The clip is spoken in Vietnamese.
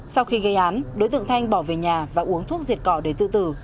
sau khi gây án đối tượng thanh bỏ về nhà và uống thuốc diệt cỏ để tự tử